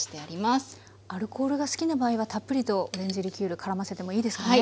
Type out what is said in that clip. アルコールが好きな場合はたっぷりとオレンジリキュールからませてもいいですかね？